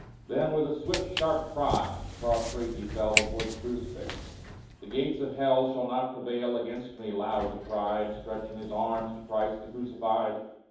Then with a swift, sharp cry, prostrate he fell Before the crucifix. " The gates of hell Shall not prevail against me !" loud he cried. Stretching his arms to CHRIST, the crucified.